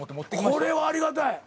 これはありがたい。